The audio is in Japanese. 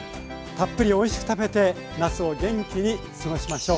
たっぷりおいしく食べて夏を元気に過ごしましょう。